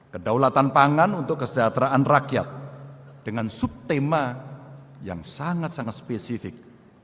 kedaulatan pangan untuk kesejahteraan rakyat dengan subtema yang sangat sangat spesifik